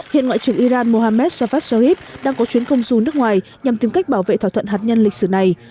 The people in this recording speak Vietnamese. hiện ngoại trưởng iran mohammad shafat shahid đang có chuyến công du nước ngoài nhằm tìm cách bảo vệ thỏa thuận hạt nhân lịch sử này